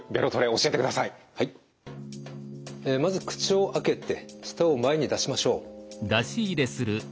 まず口を開けて舌を前に出しましょう。